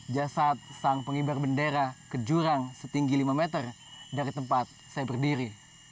jasad sang pengibar bendera ke jurang setinggi lima meter dari tempat saya berdiri